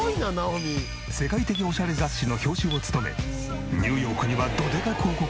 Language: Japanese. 世界的オシャレ雑誌の表紙を務めニューヨークにはドデカ広告が出現。